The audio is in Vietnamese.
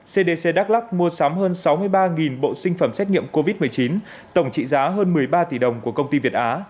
cdc đắk lắc mua sắm hơn sáu mươi ba bộ sinh phẩm xét nghiệm covid một mươi chín tổng trị giá hơn một mươi ba tỷ đồng của công ty việt á